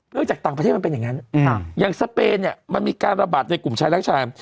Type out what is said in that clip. จากต่างประเทศมันเป็นอย่างนั้นอย่างสเปนเนี่ยมันมีการระบาดในกลุ่มชายรักชาย